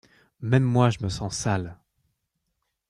Même moi je me sens sale.